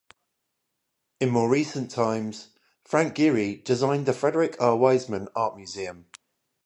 In more recent times, Frank Gehry designed the Frederick R. Weisman Art Museum.